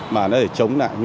mà nó để chống lại